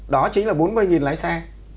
đó chính là bốn mươi lái xe